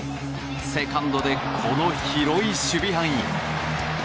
セカンドで、この広い守備範囲。